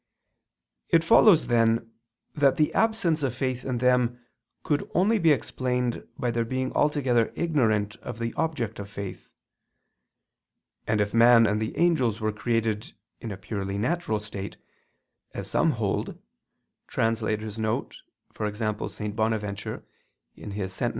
It follows then, that the absence of faith in them could only be explained by their being altogether ignorant of the object of faith. And if man and the angels were created in a purely natural state, as some [*St. Bonaventure, Sent.